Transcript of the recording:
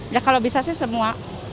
ya kalau bisa sih semua